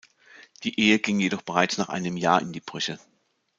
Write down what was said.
Die Ehe ging jedoch bereits nach einem Jahr in die Brüche.